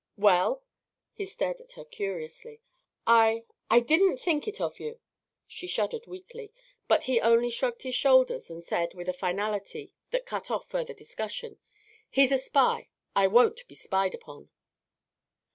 "Well?" He stared at her, curiously. "I I didn't think it of you." She shuddered weakly, but he only shrugged his shoulders and said, with a finality that cut off further discussion: "He's a spy! I won't be spied upon."